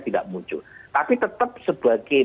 tidak muncul tapi tetap sebagai